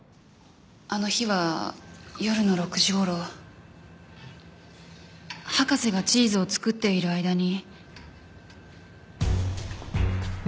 あの日は夜の６時頃博士がチーズを作っている間に。